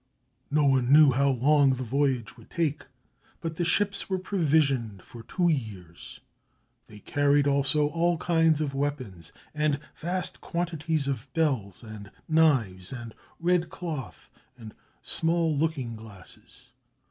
No one knew how long the voyage would take, but the ships were provisioned for two years. They carried also all kinds of weapons and vast quantities of bells and knives and red cloth and small looking glasses.